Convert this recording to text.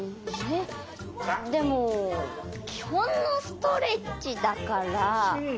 でもきほんのストレッチだから。